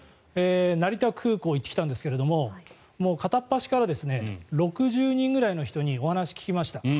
成田空港に行ってきたんですが片っ端から、６０人ぐらいの人にお話を聞きました。